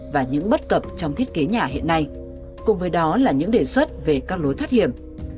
và những bất cập trong thiết kế nhà hiện nay cùng với đó là những đề xuất về các lối thoát hiểm